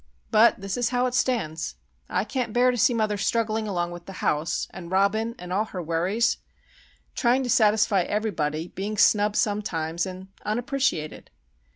But this is how it stands. I can't bear to see mother struggling along with the house, and Robin, and all her worries,—trying to satisfy everybody, being snubbed sometimes, and—unappreciated.